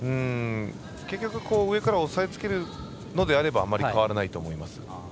結局、上から押さえつけるのであればあまり変わらないと思います。